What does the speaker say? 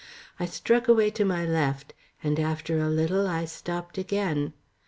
I struck away to my left, and after a little I stopped again.